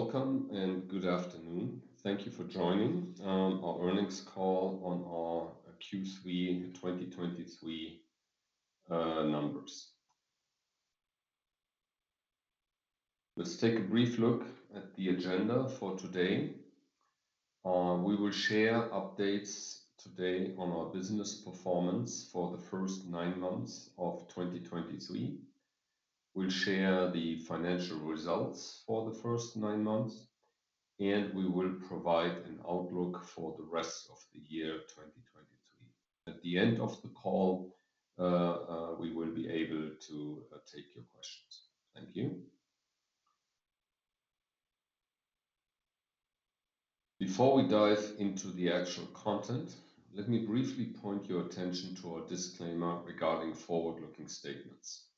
Hello, and welcome, and good afternoon. Thank you for joining our Earnings Call on our Q3 2023 Numbers. Let's take a brief look at the agenda for today. We will share updates today on our business performance for the first nine months of 2023. We'll share the financial results for the first nine months, and we will provide an outlook for the rest of the year, 2023. At the end of the call, we will be able to take your questions. Thank you. Before we dive into the actual content, let me briefly point your attention to our disclaimer regarding forward-looking statements.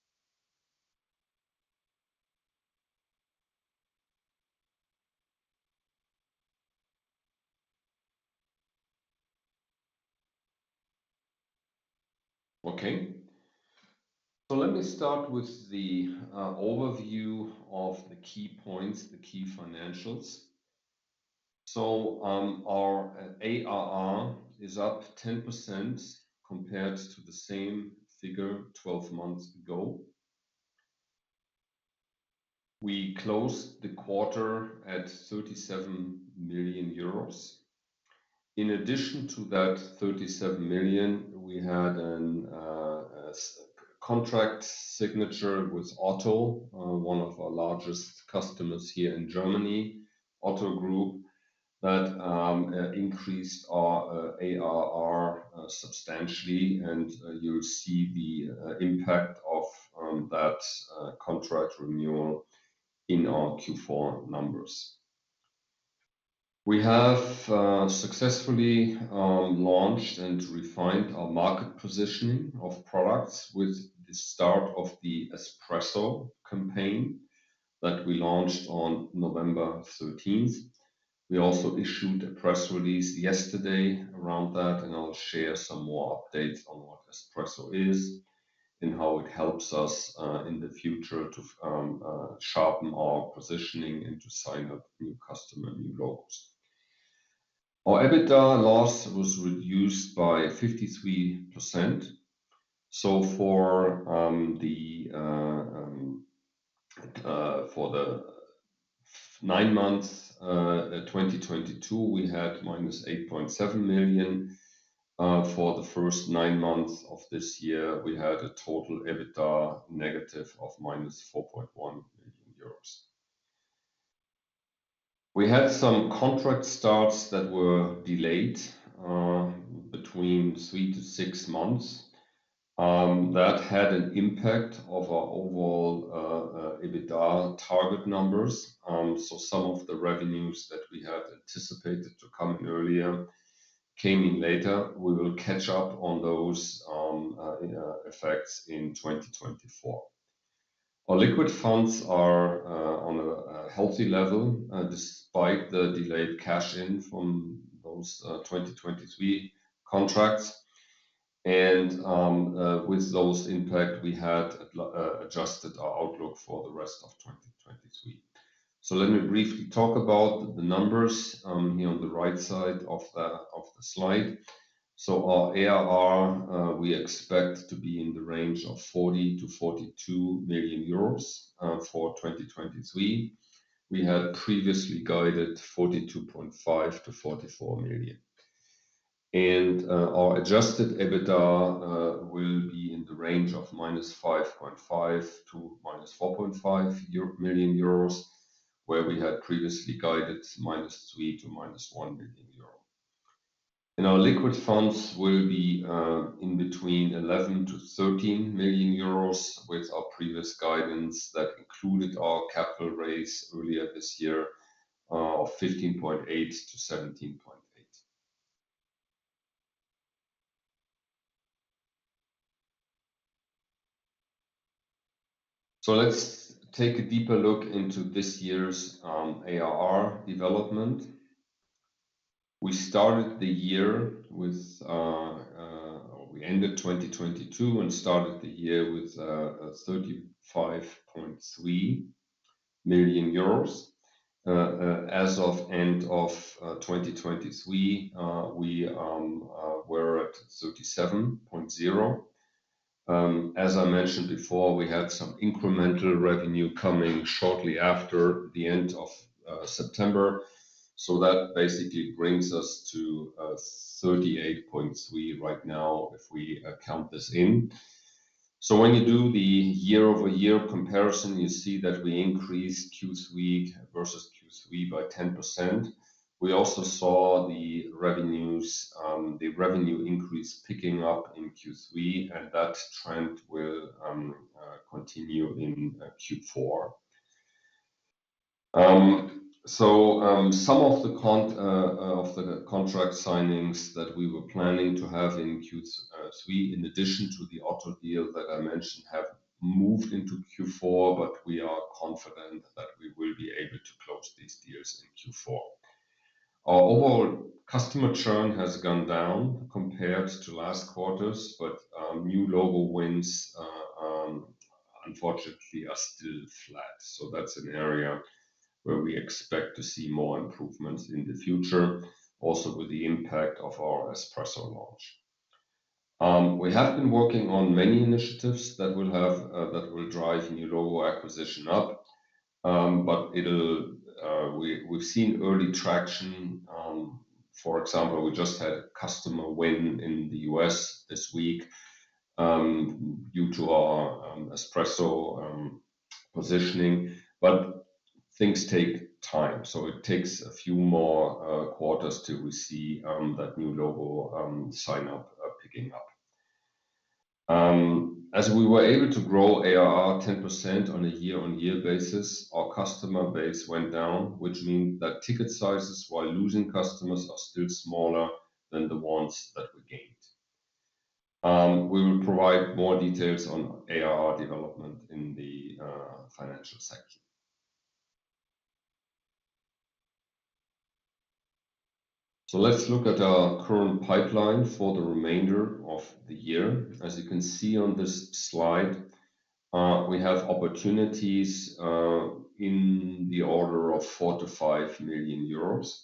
Okay. So let me start with the overview of the key points, the key financials. So, our ARR is up 10% compared to the same figure 12 months ago. We closed the quarter at 37 million euros. In addition to that 37 million, we had a contract signature with Otto, one of our largest customers here in Germany, Otto Group, that increased our ARR substantially, and you'll see the impact of that contract renewal in our Q4 numbers. We have successfully launched and refined our market positioning of products with the start of the Espresso campaign that we launched on November thirteenth. We also issued a press release yesterday around that, and I'll share some more updates on what Espresso is and how it helps us in the future to sharpen our positioning and to sign up new customer, new logos. Our EBITDA loss was reduced by 53%. So for the nine months 2022, we had -8.7 million. For the first 9 months of this year, we had a total EBITDA negative of -4.1 million. We had some contract starts that were delayed between 3-6 months. That had an impact of our overall EBITDA target numbers. So some of the revenues that we had anticipated to come earlier, came in later. We will catch up on those effects in 2024. Our liquid funds are on a healthy level despite the delayed cash-in from those 2023 contracts. And with those impact, we had adjusted our outlook for the rest of 2023. So let me briefly talk about the numbers here on the right side of the slide. Our ARR we expect to be in the range of 40 million-42 million euros for 2023. We had previously guided 42.5 million-44 million. Our adjusted EBITDA will be in the range of -5.5 to -4.5 million euros, where we had previously guided -3 to -1 million euro. Our liquid funds will be in between 11-13 million euros, with our previous guidance that included our capital raise earlier this year of 15.8 million-17.8 million. So let's take a deeper look into this year's ARR development. We started the year with... We ended 2022 and started the year with 35.3 million euros. As of end of 2023, we were at 37.0 million. As I mentioned before, we had some incremental revenue coming shortly after the end of September. So that basically brings us to 38.3 million right now, if we count this in. So when you do the year-over-year comparison, you see that we increased Q3 versus Q3 by 10%. We also saw the revenues, the revenue increase picking up in Q3, and that trend will continue in Q4. So, some of the con... Of the contract signings that we were planning to have in Q3, in addition to the Otto deal that I mentioned, have moved into Q4, but we are confident that we will be able to close these deals in Q4. Our overall customer churn has gone down compared to last quarters, but new logo wins, unfortunately, are still flat. So that's an area where we expect to see more improvements in the future, also with the impact of our Espresso launch. We have been working on many initiatives that will drive new logo acquisition up, but it'll. We've seen early traction. For example, we just had a customer win in the U.S. this week, due to our Espresso positioning. But things take time, so it takes a few more quarters till we see that new logo sign up picking up. As we were able to grow ARR 10% on a year-on-year basis, our customer base went down, which means that ticket sizes, while losing customers, are still smaller than the ones that we gained. We will provide more details on ARR development in the financial section. So let's look at our current pipeline for the remainder of the year. As you can see on this slide, we have opportunities in the order of 4 million-5 million euros.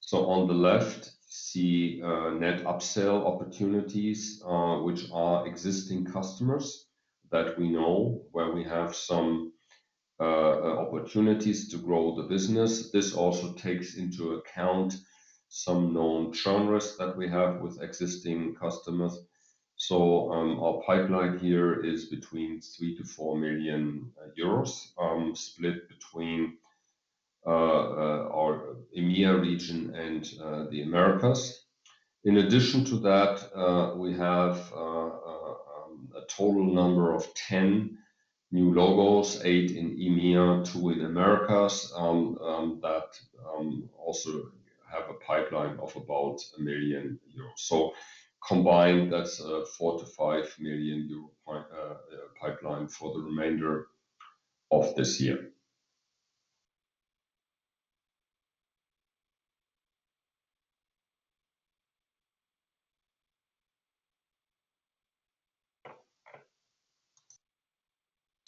So on the left, see net upsell opportunities, which are existing customers that we know, where we have some opportunities to grow the business. This also takes into account some known churn risk that we have with existing customers. So, our pipeline here is between 3 million-4 million euros, split between, our EMEA region and, the Americas. In addition to that, we have, a total number of 10 new logos, eight in EMEA, two in Americas, that also have a pipeline of about 1 million euros. So combined, that's a 4 million-5 million euro pipeline for the remainder of this year.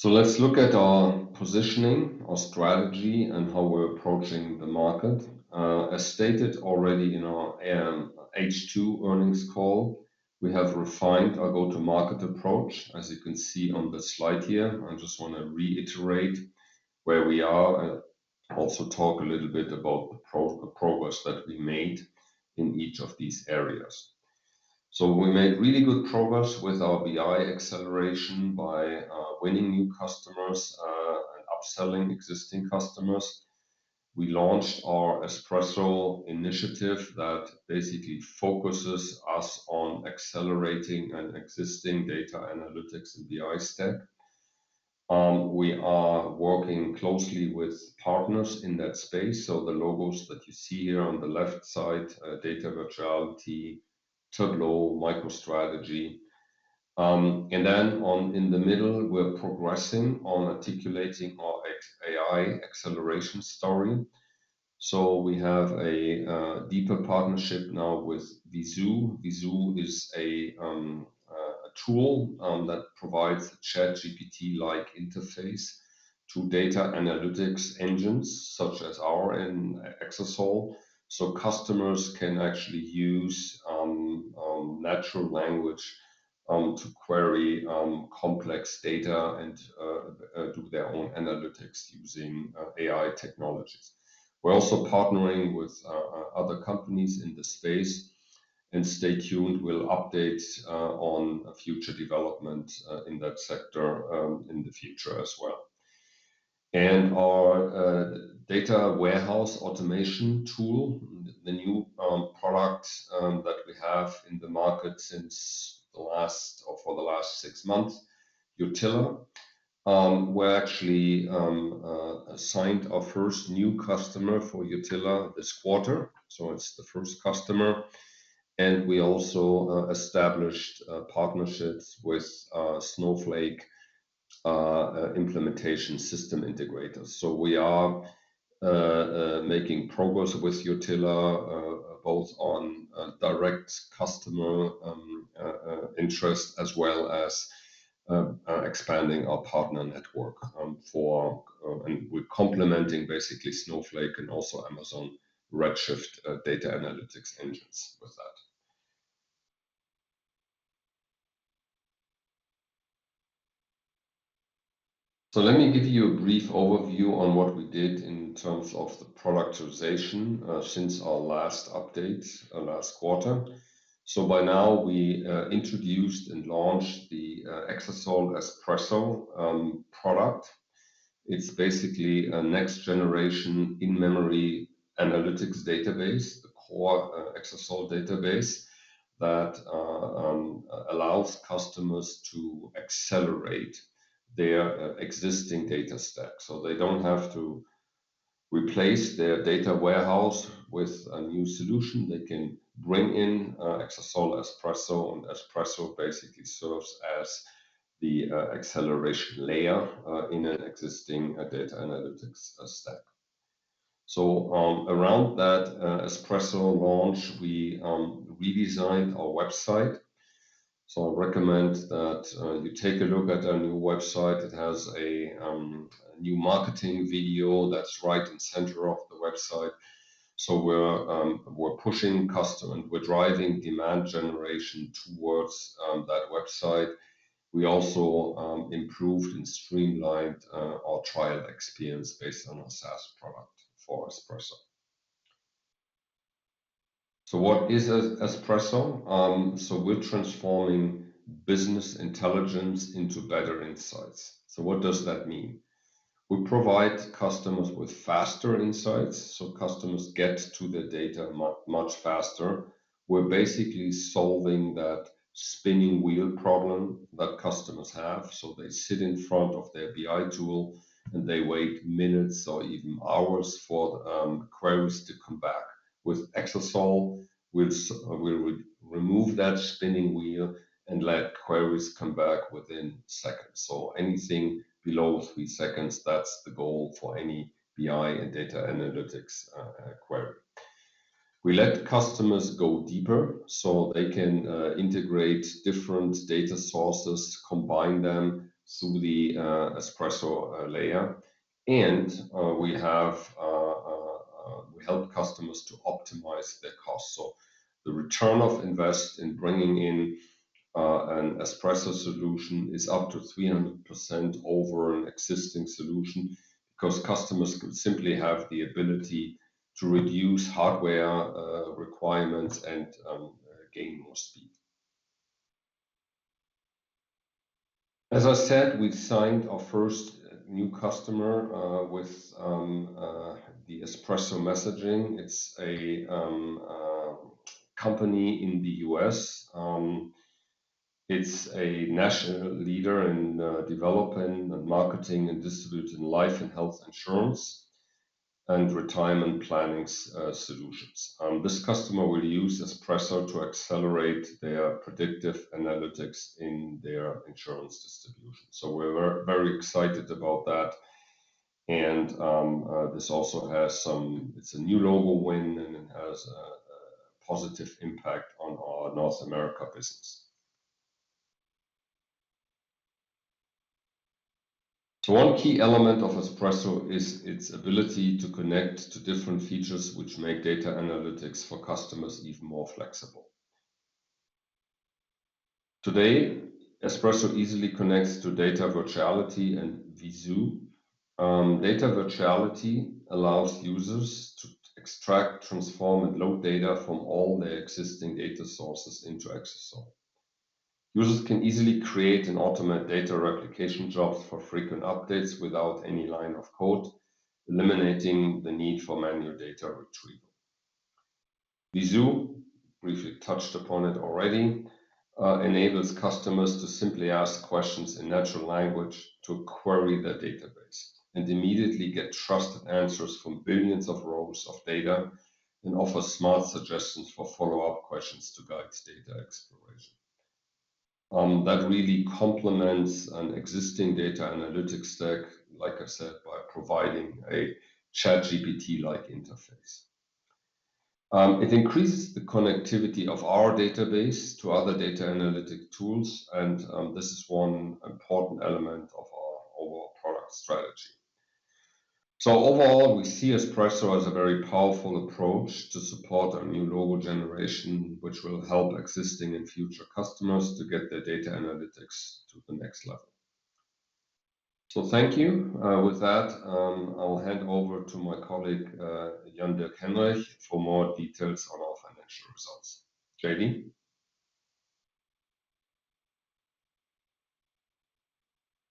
So let's look at our positioning, our strategy, and how we're approaching the market. As stated already in our, H2 earnings call, we have refined our go-to-market approach, as you can see on the slide here. I just want to reiterate where we are and also talk a little bit about the progress that we made in each of these areas. We made really good progress with our BI acceleration by winning new customers and upselling existing customers. We launched our Espresso initiative that basically focuses us on accelerating an existing data analytics and BI stack. We are working closely with partners in that space, so the logos that you see here on the left side, Data Virtuality, Tableau, MicroStrategy. And then in the middle, we're progressing on articulating our AI acceleration story. So we have a deeper partnership now with Veezoo. Veezoo is a tool that provides a ChatGPT-like interface to data analytics engines, such as our in Exasol. So customers can actually use natural language to query complex data and do their own analytics using AI technologies. We're also partnering with other companies in this space, and stay tuned. We'll update on future development in that sector in the future as well. And our data warehouse automation tool, the new product that we have in the market since the last... or for the last six months, Yotilla. We actually signed our first new customer for Yotilla this quarter, so it's the first customer, and we also established partnerships with Snowflake implementation system integrators. So we are making progress with Yotilla, both on direct customer interest, as well as expanding our partner network. And we're complementing basically Snowflake and also Amazon Redshift data analytics engines with that. So let me give you a brief overview on what we did in terms of the productization, since our last update, last quarter. So by now, we introduced and launched the Exasol Espresso product. It's basically a next-generation in-memory analytics database, a core Exasol database, that allows customers to accelerate their existing data stack. So they don't have to replace their data warehouse with a new solution. They can bring in Exasol Espresso, and Espresso basically serves as the acceleration layer in an existing data analytics stack. So, around that Espresso launch, we redesigned our website. So I recommend that you take a look at our new website. It has a new marketing video that's right in center of the website. So we're driving demand generation towards that website. We also improved and streamlined our trial experience based on our SaaS product for Espresso. So what is Espresso? So we're transforming business intelligence into better insights. So what does that mean? We provide customers with faster insights, so customers get to their data much faster. We're basically solving that spinning wheel problem that customers have. So they sit in front of their BI tool, and they wait minutes or even hours for the queries to come back. With Exasol, we'll remove that spinning wheel and let queries come back within seconds. So anything below three seconds, that's the goal for any BI and data analytics query. We let customers go deeper, so they can integrate different data sources, combine them through the Espresso layer. And we help customers to optimize their costs. So the return on investment in bringing in an Espresso solution is up to 300% over an existing solution, 'cause customers could simply have the ability to reduce hardware requirements and gain more speed. As I said, we've signed our first new customer with the Espresso messaging. It's a company in the U.S. It's a national leader in developing and marketing and distributing life and health insurance and retirement planning solutions. This customer will use Espresso to accelerate their predictive analytics in their insurance distribution. So we're very excited about that, and this also has some... It's a new logo win, and it has a positive impact on our North America business. So one key element of Espresso is its ability to connect to different features, which make data analytics for customers even more flexible. Today, Espresso easily connects to Data Virtuality and Veezoo. Data Virtuality allows users to extract, transform, and load data from all their existing data sources into Exasol. Users can easily create and automate data replication jobs for frequent updates without any line of code, eliminating the need for manual data retrieval. Veezoo, briefly touched upon it already, enables customers to simply ask questions in natural language to query their database, and immediately get trusted answers from billions of rows of data, and offers smart suggestions for follow-up questions to guide data exploration. That really complements an existing data analytics stack, like I said, by providing a ChatGPT-like interface. It increases the connectivity of our database to other data analytic tools, and this is one important element of our overall product strategy. So overall, we see Espresso as a very powerful approach to support our new logo generation, which will help existing and future customers to get their data analytics to the next level. So thank you. With that, I'll hand over to my colleague, Jan-Dirk Henrich, for more details on our financial results. JD?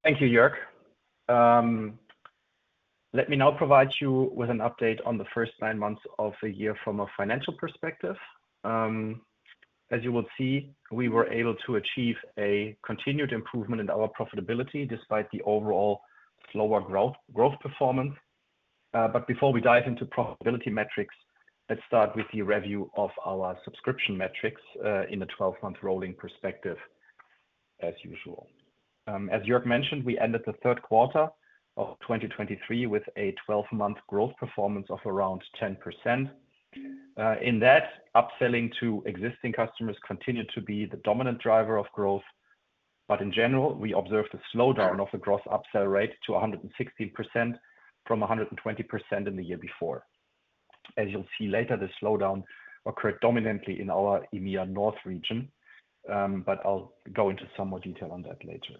Thank you, Jörg. Let me now provide you with an update on the first nine months of the year from a financial perspective. As you will see, we were able to achieve a continued improvement in our profitability, despite the overall slower growth performance. But before we dive into profitability metrics, let's start with the review of our subscription metrics, in the 12-month rolling perspective, as usual. As Jörg mentioned, we ended the third quarter of 2023 with a 12-month growth performance of around 10%. In that, upselling to existing customers continued to be the dominant driver of growth. But in general, we observed a slowdown of the gross upsell rate to 160% from 120% in the year before. As you'll see later, the slowdown occurred dominantly in our EMEA North region, but I'll go into some more detail on that later.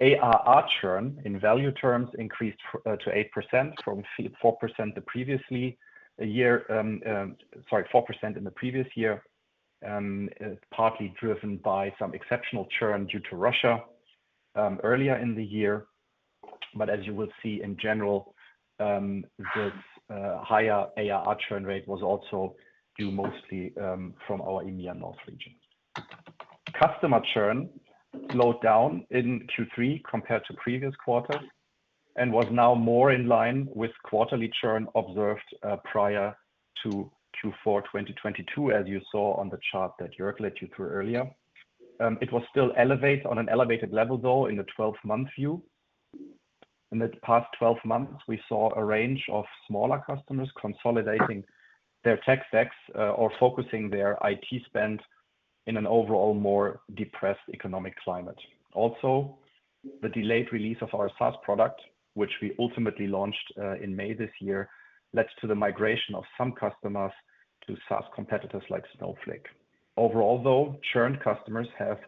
ARR churn in value terms increased to 8% from 4% in the previous year, partly driven by some exceptional churn due to Russia earlier in the year. But as you will see in general, the higher ARR churn rate was also due mostly from our EMEA North region. Customer churn slowed down in Q3 compared to previous quarters and was now more in line with quarterly churn observed prior to Q4 2022, as you saw on the chart that Jörg led you through earlier. It was still elevated, on an elevated level, though, in the twelve-month view. In the past 12 months, we saw a range of smaller customers consolidating their tech stacks, or focusing their IT spend in an overall more depressed economic climate. Also, the delayed release of our SaaS product, which we ultimately launched, in May this year, led to the migration of some customers to SaaS competitors like Snowflake. Overall, though, churned customers have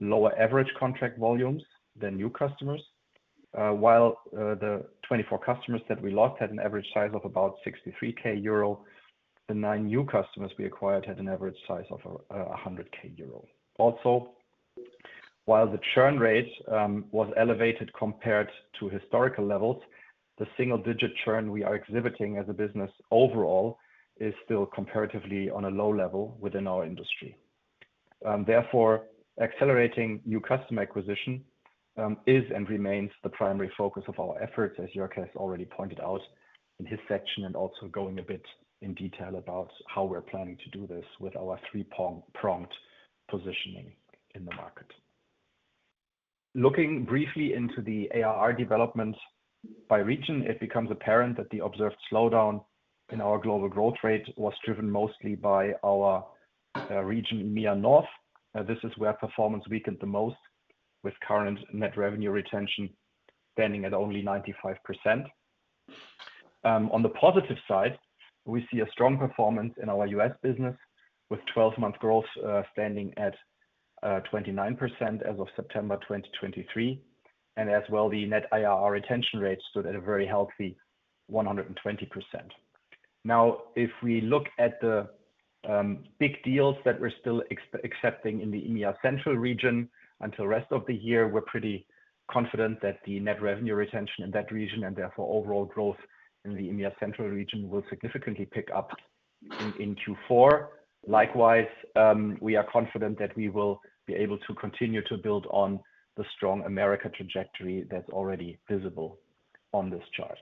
lower average contract volumes than new customers. While the 24 customers that we lost had an average size of about 63K euro, the nine new customers we acquired had an average size of a 100K euro. Also, while the churn rate was elevated compared to historical levels, the single-digit churn we are exhibiting as a business overall is still comparatively on a low level within our industry. Therefore, accelerating new customer acquisition is and remains the primary focus of our efforts, as Jörg has already pointed out in his section, and also going a bit in detail about how we're planning to do this with our three-pronged positioning in the market. Looking briefly into the ARR development by region, it becomes apparent that the observed slowdown in our global growth rate was driven mostly by our region, EMEA North. This is where performance weakened the most, with current net revenue retention standing at only 95%. On the positive side, we see a strong performance in our U.S. business, with 12-month growth standing at 29% as of September 2023, and as well, the net NRR retention rate stood at a very healthy 120%. Now, if we look at the big deals that we're still expecting in the EMEA Central region until rest of the year, we're pretty confident that the net revenue retention in that region, and therefore overall growth in the EMEA Central region, will significantly pick up in Q4. Likewise, we are confident that we will be able to continue to build on the strong America trajectory that's already visible on this chart.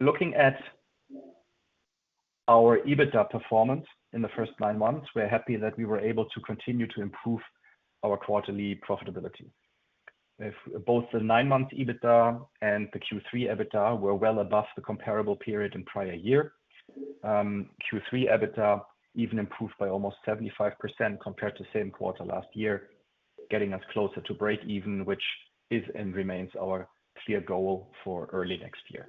Looking at our EBITDA performance in the first nine months, we're happy that we were able to continue to improve our quarterly profitability. If both the nine-month EBITDA and the Q3 EBITDA were well above the comparable period in prior year. Q3 EBITDA even improved by almost 75% compared to the same quarter last year, getting us closer to break even, which is and remains our clear goal for early next year.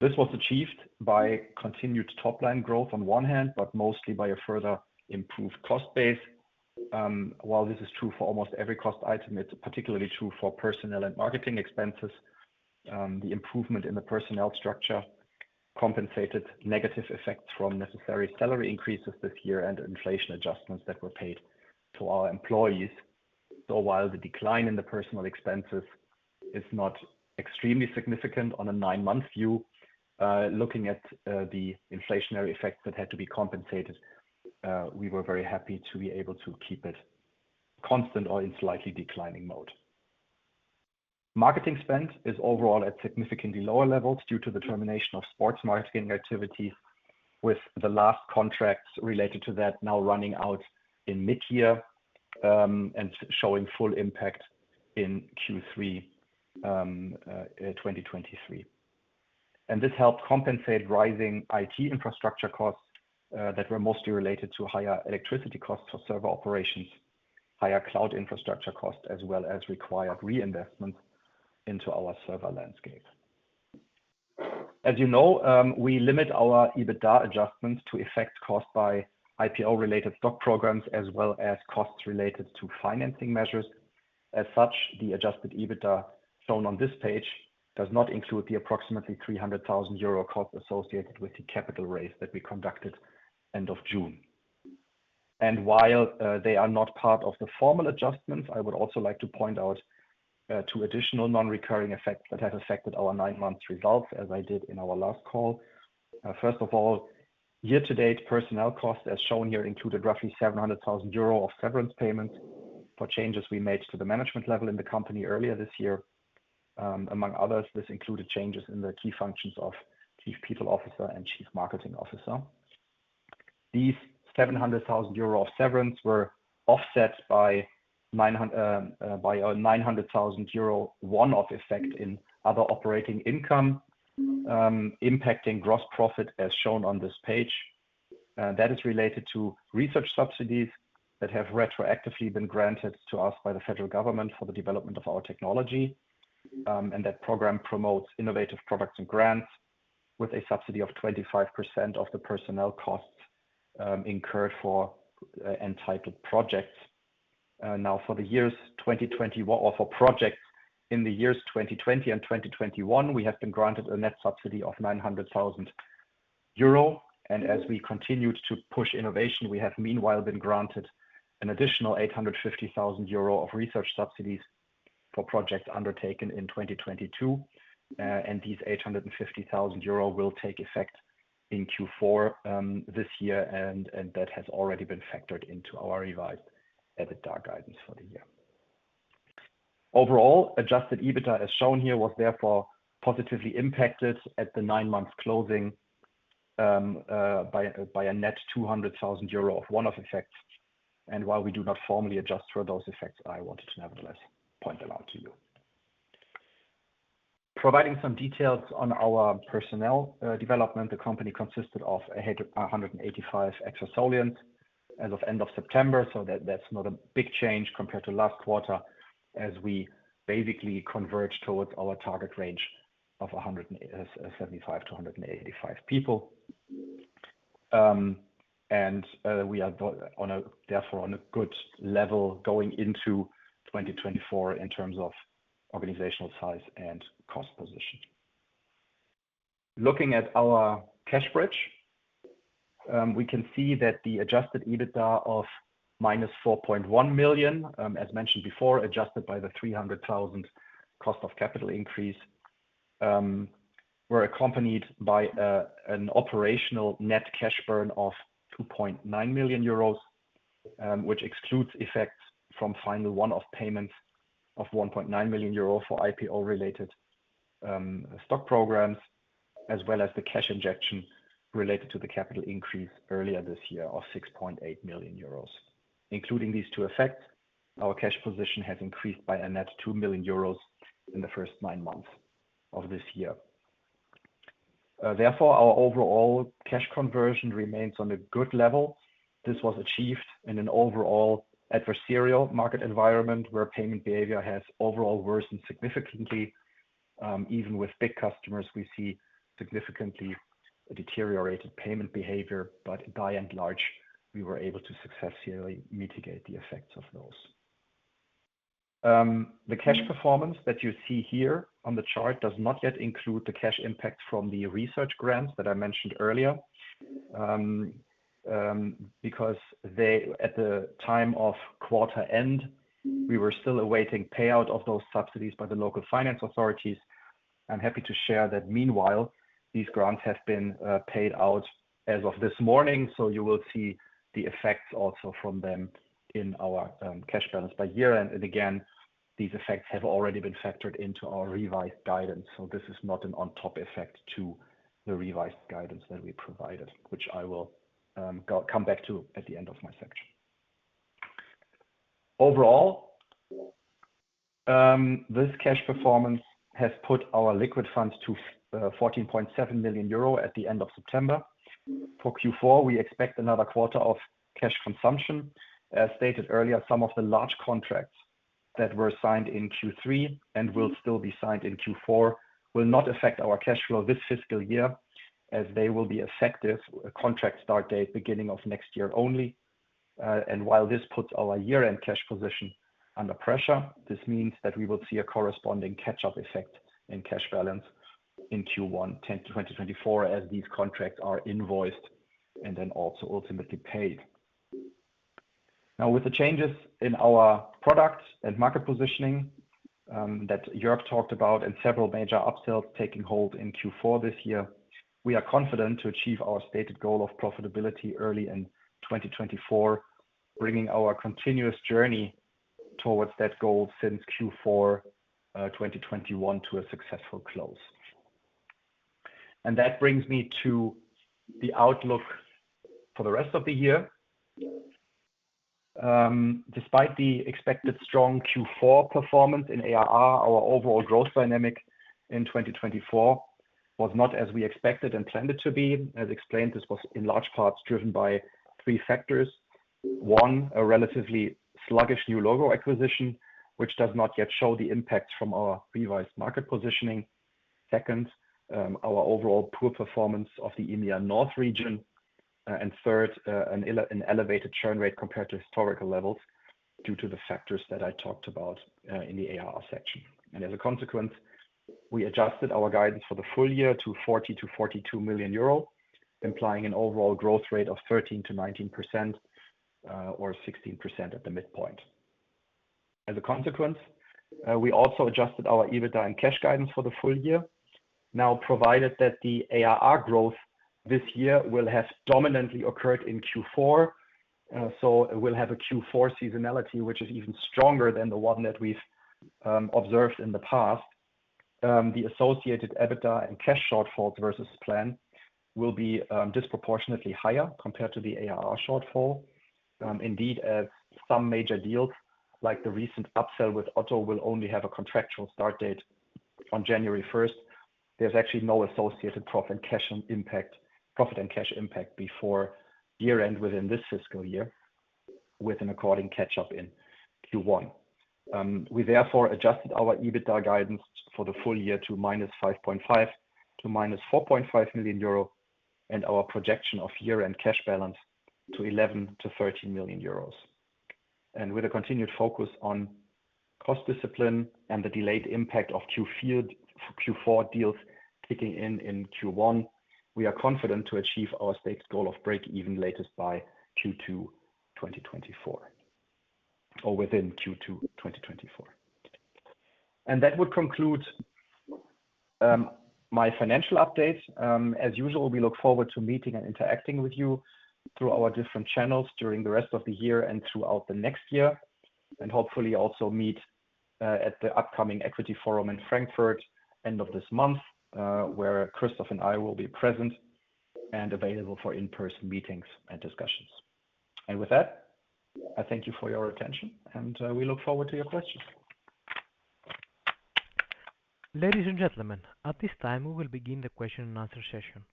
This was achieved by continued top-line growth on one hand, but mostly by a further improved cost base. While this is true for almost every cost item, it's particularly true for personnel and marketing expenses. The improvement in the personnel structure compensated negative effects from necessary salary increases this year and inflation adjustments that were paid to our employees. So while the decline in the personnel expenses is not extremely significant on a nine-month view, looking at the inflationary effect that had to be compensated, we were very happy to be able to keep it constant or in slightly declining mode. Marketing spend is overall at significantly lower levels due to the termination of sports marketing activities, with the last contracts related to that now running out in mid-year, and showing full impact in Q3 2023. This helped compensate rising IT infrastructure costs that were mostly related to higher electricity costs for server operations, higher cloud infrastructure costs, as well as required reinvestment into our server landscape. As you know, we limit our EBITDA adjustments to effect caused by IPO-related stock programs, as well as costs related to financing measures. As such, the adjusted EBITDA shown on this page does not include the approximately 300,000 euro costs associated with the capital raise that we conducted end of June. While they are not part of the formal adjustments, I would also like to point out two additional non-recurring effects that have affected our nine-month results, as I did in our last call. First of all, year-to-date personnel costs, as shown here, included roughly 700 thousand euro of severance payments for changes we made to the management level in the company earlier this year. Among others, this included changes in the key functions of Chief People Officer and Chief Marketing Officer. These 700 thousand euro of severance were offset by a 900 thousand euro, one-off effect in other operating income, impacting gross profit, as shown on this page. That is related to research subsidies that have retroactively been granted to us by the federal government for the development of our technology. And that program promotes innovative products and grants with a subsidy of 25% of the personnel costs incurred for entitled projects. Now, for the years 2020 or for projects in the years 2020 and 2021, we have been granted a net subsidy of 900,000 euro. As we continued to push innovation, we have meanwhile been granted an additional 850,000 euro of research subsidies for projects undertaken in 2022. These 850,000 euro will take effect in Q4 this year, and that has already been factored into our revised EBITDA guidance for the year. Overall, adjusted EBITDA, as shown here, was therefore positively impacted at the nine-month closing by a net 200,000 euro of one-off effects. While we do not formally adjust for those effects, I wanted to nevertheless point them out to you. Providing some details on our personnel development, the company consisted of a headcount of 185 Exasolians as of end of September, so that's not a big change compared to last quarter, as we basically converge towards our target range of 175-185 people. And we are therefore on a good level going into 2024 in terms of organizational size and cost position. Looking at our cash bridge, we can see that the adjusted EBITDA of -4.1 million, as mentioned before, adjusted by the 300,000 cost of capital increase, were accompanied by an operational net cash burn of 2.9 million euros, which excludes effects from final one-off payments of 1.9 million euro for IPO-related stock programs, as well as the cash injection related to the capital increase earlier this year of 6.8 million euros. Including these two effects, our cash position has increased by a net 2 million euros in the first nine months of this year. Therefore, our overall cash conversion remains on a good level. This was achieved in an overall adversarial market environment, where payment behavior has overall worsened significantly. Even with big customers, we see significantly deteriorated payment behavior, but by and large, we were able to successfully mitigate the effects of those. The cash performance that you see here on the chart does not yet include the cash impact from the research grants that I mentioned earlier. Because they, at the time of quarter end, we were still awaiting payout of those subsidies by the local finance authorities. I'm happy to share that meanwhile, these grants have been paid out as of this morning, so you will see the effects also from them in our cash balance by year-end. These effects have already been factored into our revised guidance, so this is not an on-top effect to the revised guidance that we provided, which I will come back to at the end of my section. Overall, this cash performance has put our liquid funds to 14.7 million euro at the end of September. For Q4, we expect another quarter of cash consumption. As stated earlier, some of the large contracts that were signed in Q3 and will still be signed in Q4 will not affect our cash flow this fiscal year, as they will be effective contract start date beginning of next year only. And while this puts our year-end cash position under pressure, this means that we will see a corresponding catch-up effect in cash balance in Q1 2024, as these contracts are invoiced and then also ultimately paid. Now, with the changes in our product and market positioning that Jörg talked about, and several major upsells taking hold in Q4 this year, we are confident to achieve our stated goal of profitability early in 2024, bringing our continuous journey towards that goal since Q4 2021 to a successful close. That brings me to the outlook for the rest of the year. Despite the expected strong Q4 performance in ARR, our overall growth dynamic in 2024 was not as we expected and planned it to be. As explained, this was in large parts driven by three factors: One, a relatively sluggish new logo acquisition, which does not yet show the impact from our revised market positioning. Second, our overall poor performance of the EMEA North region. And third, an elevated churn rate compared to historical levels due to the factors that I talked about in the ARR section. As a consequence, we adjusted our guidance for the full year to 40 million-42 million euro, implying an overall growth rate of 13%-19%, or 16% at the midpoint. As a consequence, we also adjusted our EBITDA and cash guidance for the full year. Now, provided that the ARR growth this year will have dominantly occurred in Q4, so it will have a Q4 seasonality, which is even stronger than the one that we've observed in the past. The associated EBITDA and cash shortfalls versus plan will be disproportionately higher compared to the ARR shortfall. Indeed, as some major deals, like the recent upsell with Otto, will only have a contractual start date on January first. There's actually no associated profit and cash impact before year-end within this fiscal year, with an according catch-up in Q1. We therefore adjusted our EBITDA guidance for the full year to -5.5 million--4.5 million euro, and our projection of year-end cash balance to 11-13 million euros. With a continued focus on cost discipline and the delayed impact of Q4 deals kicking in in Q1, we are confident to achieve our stated goal of break-even latest by Q2 2024, or within Q2 2024. That would conclude my financial update. As usual, we look forward to meeting and interacting with you through our different channels during the rest of the year and throughout the next year, and hopefully also meet at the upcoming Equity Forum in Frankfurt, end of this month, where Christoph and I will be present and available for in-person meetings and discussions. And with that, I thank you for your attention, and we look forward to your questions. Ladies and gentlemen, at this time, we will begin the question and answer session.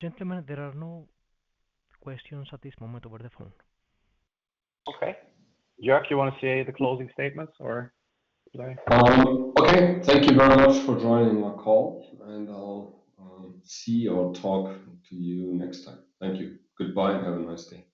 Gentlemen, there are no questions at this moment over the phone. Okay. Jörg, you want to say the closing statements, or may I? Okay. Thank you very much for joining our call, and I'll see or talk to you next time. Thank you. Goodbye, and have a nice day.